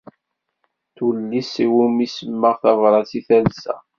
Tullist iwumi semmaɣ "Tabrat i talsa."